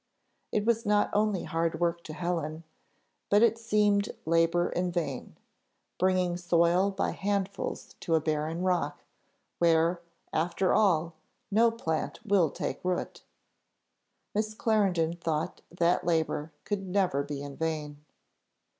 It was not only hard work to Helen, but it seemed labour in vain bringing soil by handfulls to a barren rock, where, after all, no plant will take root. Miss Clarendon thought that labour could never be in vain.